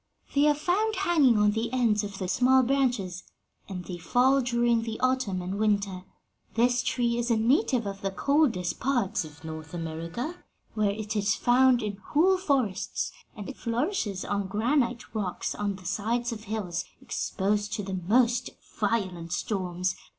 They are found hanging on the ends of the small branches, and they fall during the autumn and winter. This tree is a native of the coldest parts of North America, where it is found in whole forests, and it flourishes on granite rocks on the sides of hills exposed to the most violent storms.